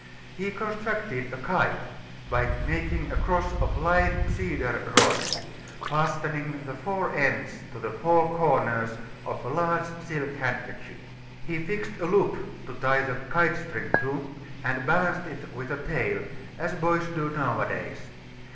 He constructed a kite by making a cross of light cedar rods, fastening the four ends to the four corners of a large silk handkerchief. He fixed a loop to tie the kite string to and balanced it with a tail, as boys do nowadays.